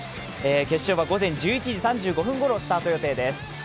決勝は午前１１時３５分ごろスタート予定です。